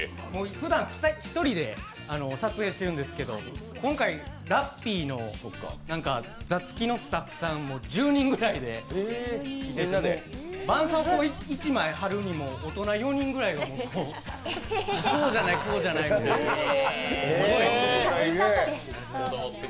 ふだん１人で撮影してるんですけど、今回、ラッピーの座付きのスタッフさんも１０人ぐらいいて、ばんそうこう一枚貼るにも大人４人ぐらいでそうじゃない、こうじゃないって言って。